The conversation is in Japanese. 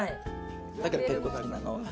だから結構好きなの。